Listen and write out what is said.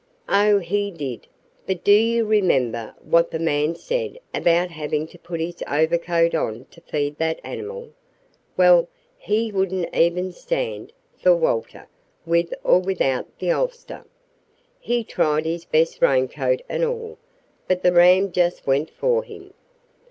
"Oh, he did. But do you remember what the man said about having to put his overcoat on to feed that animal? Well, he wouldn't even stand for Walter, with or without the ulster. He tried his best raincoat and all, but the ram just went for him.